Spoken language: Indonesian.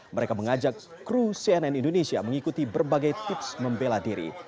mereka mengajak kru cnn indonesia mengikuti berbagai tips membela diri